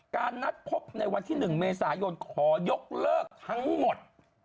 นัดพบในวันที่๑เมษายนขอยกเลิกทั้งหมด